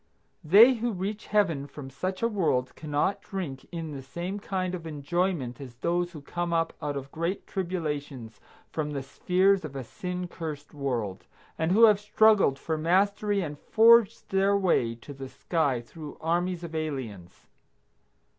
They who reach Heaven from such a world cannot drink in the same kind of enjoyment as those who come up out of great tribulations from the spheres of a sin cursed world, and who have struggled for mastery and forged their way to the sky through armies of aliens.